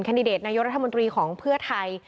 ดิเดตนายกรัฐมนตรีของเพื่อไทย